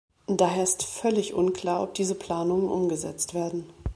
Daher ist völlig unklar, ob diese Planungen umgesetzt werden.